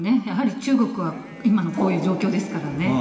やはり中国は今のこういう状況ですからね。